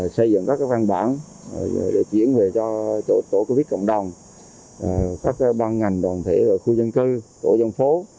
xây dựng các văn bản để chuyển về cho tổ covid cộng đồng các ban ngành đoàn thể khu dân cư tổ dân phố